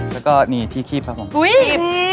แล้วก็นี่ที่ขีบครับผม